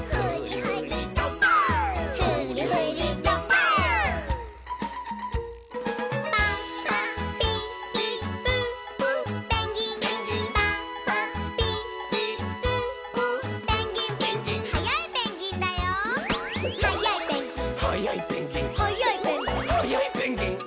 「はっやいペンギン」